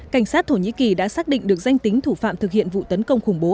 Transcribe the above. cảnh sát thổ nhĩ kỳ đã xác định được danh tính thủ phạm thực hiện vụ tấn công khủng bố